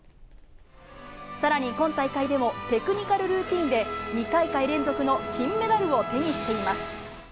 さらに今大会でも、テクニカルルーティンで、２大会連続の金メダルを手にしています。